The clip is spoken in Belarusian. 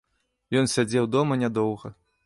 Ён сядзеў дома не доўга.